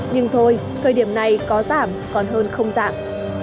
nhưng thôi thời điểm này có giảm còn hơn không dạng